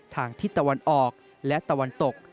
ทางทิศตะวันออกและตะวันตก